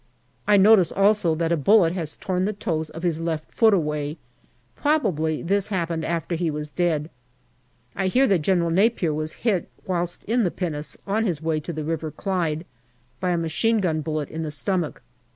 I notice also that a bullet has torn the toes of his left foot away ; probably this happened after he was dead. I hear that General Napier was hit whilst in the pinnace, on his way to the River Clyde, by a machine gun bullet in the stomach.